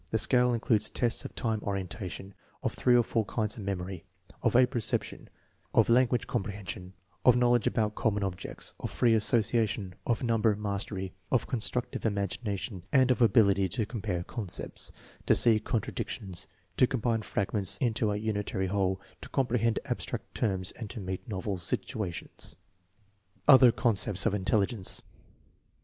The scale includes tests of time orienta tion, of three or tour kinds of memory, of apperception, of language comprehension, of knowledge about common ob jects, of free association, of number mastery, of construc tive imagination, and of ability to compare concepts, to see contradictions, to combine fragments into a unitary whole, to comprehend abstract terms, and to meet novel situations. Other conceptions of intelligence.